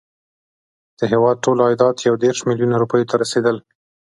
د هیواد ټول عایدات یو دېرش میلیونه روپیو ته رسېدل.